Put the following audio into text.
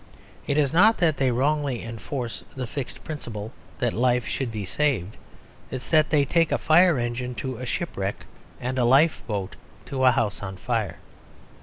It is not that they wrongly enforce the fixed principle that life should be saved; it is that they take a fire engine to a shipwreck and a lifeboat to a house on fire.